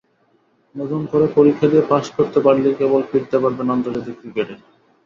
নতুন করে পরীক্ষা দিয়ে পাস করতে পারলেই কেবল ফিরতে পারবেন আন্তর্জাতিক ক্রিকেটে।